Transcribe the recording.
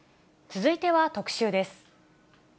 続いては特集です。